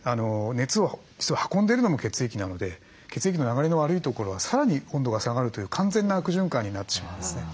熱を運んでるのも血液なので血液の流れの悪いところはさらに温度が下がるという完全な悪循環になってしまうんですね。